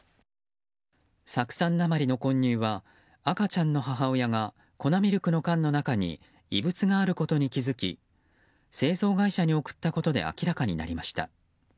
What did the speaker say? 酢酸鉛の混入は赤ちゃんの母親が粉ミルクの缶の中に異物があることに気づき製造会社に送ったことで明らかになりました。